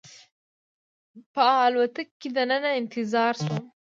په الوتکه کې دننه انتظار شوم.